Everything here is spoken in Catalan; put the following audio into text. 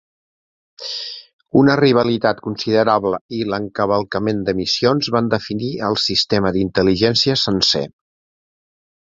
Una rivalitat considerable i l'encavalcament de missions van definir el sistema d'intel·ligència sencer.